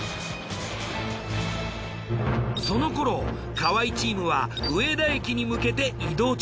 その頃河合チームは上田駅に向けて移動中。